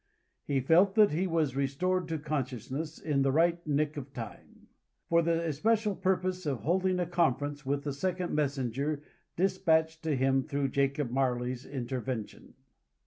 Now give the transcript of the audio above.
He felt that he was restored to consciousness in the right nick of time, for the especial purpose of holding a conference with the second messenger despatched to him through Jacob Marley's intervention.